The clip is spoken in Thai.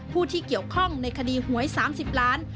ผู้ที่เกี่ยวข้องในคดีหวย๓๐ล้าน